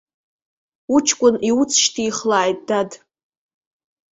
Уҷкәын иуцшьҭихлааит, дад.